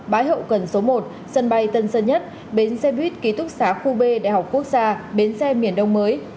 bái hậu cần số một sân bay tân sơn nhất bến xe buýt ký túc xá khu b đại học quốc gia bến xe miền đông mới